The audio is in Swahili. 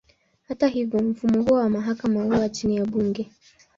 Hata hivyo, mfumo huo wa mahakama huwa chini ya bunge.